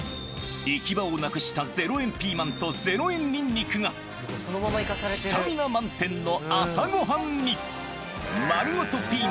行き場をなくした０円ピーマンと０円ニンニクが、スタミナ満点の朝ごはんに。